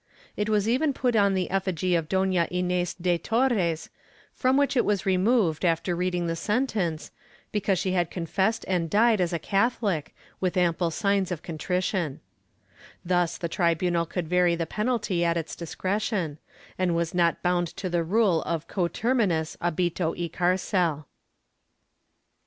It was even put on the effigy of Dona Inez de Torres, from which it was removed after reading the sentence, because she had con fessed and died as a CathoUc, with ample signs of contrition/ Thus the tribunal could vary the penalty at its discretion, and was not bound to the rule of coterminous ahito y carcel.